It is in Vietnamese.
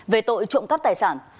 về tội trộm cắp tài sản